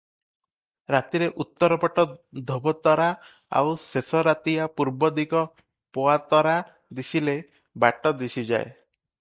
ରାତିରେ ଉତ୍ତରପଟ ଧୋବତରା ଆଉ ଶେଷ ରାତିଆ ପୂର୍ବଦିଗ ପୋଆତରା ଦିଶିଲେ ବାଟ ଦିଶିଯାଏ ।